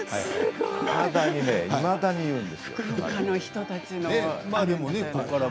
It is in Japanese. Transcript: いまだに言うんですよ。